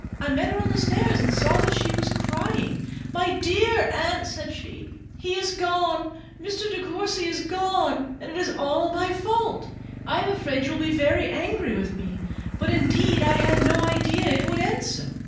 I met her on the stairs, and saw that she was crying. "My dear aunt," said she, "he is going—Mr. De Courcy is going, and it is all my fault. I am afraid you will be very angry with me, but indeed I had no idea it would end so."